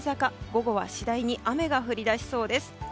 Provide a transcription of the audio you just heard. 午後は次第に雨が降り出しそうです。